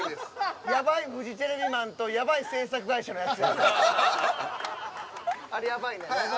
やばいフジテレビマンとやばい制作会社のやつらや。